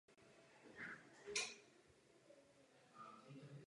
Náboženská svoboda je jedním ze základních práv Evropské unie.